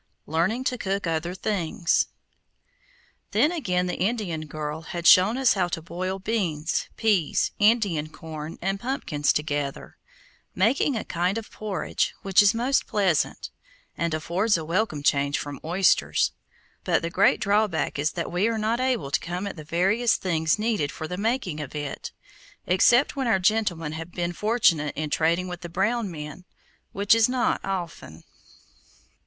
LEARNING TO COOK OTHER THINGS Then again the Indian girl had shown us how to boil beans, peas, Indian corn, and pumpkins together, making a kind of porridge which is most pleasant, and affords a welcome change from oysters; but the great drawback is that we are not able to come at the various things needed for the making of it, except when our gentlemen have been fortunate in trading with the brown men, which is not often.